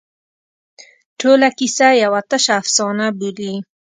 ټوله کیسه یوه تشه افسانه بولي.